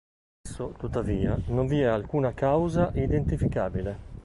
Spesso, tuttavia, non vi è alcuna causa identificabile.